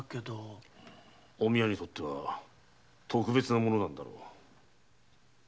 おみわにとっては特別な物なんだろう。